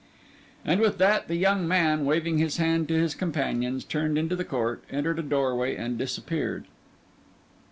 And with that the young man, waving his hand to his companions, turned into the court, entered a doorway and disappeared.